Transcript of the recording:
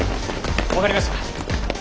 分かりました。